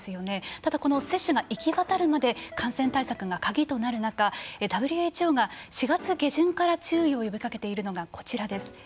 ただこの接種が行き渡るまで感染対策が鍵となる中ＷＨＯが４月下旬から注意を呼びかけているのがこちらです。